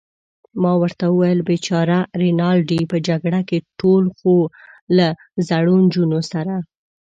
ما ورته وویل: بېچاره رینالډي، په جګړه کې ټول، خو له زړو نجونو سره.